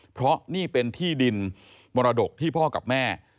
เพราะนี่เป็นที่ดินมรดกที่พ่อกับแม่